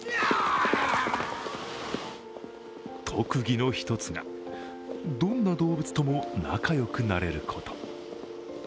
特技の１つが、どんな動物とも仲良くなれること。